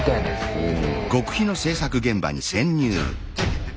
うん。